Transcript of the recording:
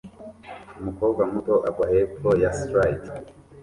Umukobwa muto agwa hepfo ya slide